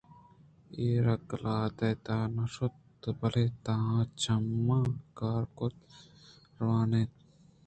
اے راہ قلات ءِ تہا نہ شُت بلئے تاں چماں کار کُت روان ات